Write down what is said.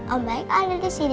oh baik ada di sini